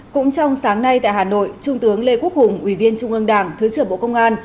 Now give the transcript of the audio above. cũng trong sáng nay tại hà nội trung tướng lê quốc hùng ủy viên trung ương đảng thứ trưởng bộ công an